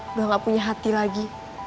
udah gak punya hati lagi